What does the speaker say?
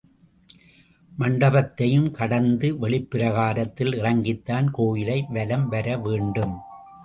மண்டபத்தையும் கடந்து வெளிப்பிரகாரத்தில் இறங்கித்தான் கோயிலை வலம் வரவேண்டும்.